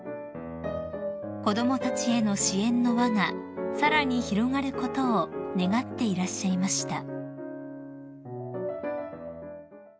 ［子供たちへの支援の輪がさらに広がることを願っていらっしゃいました］